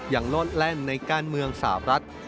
โลดแล่นในการเมืองสาวรัฐ